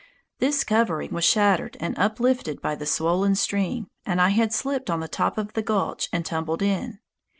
This covering was shattered and uplifted by the swollen stream, and I had slipped on the top of the gulch and tumbled in.